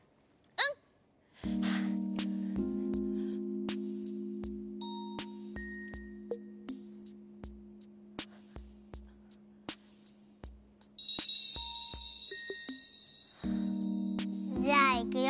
うん！じゃあいくよ。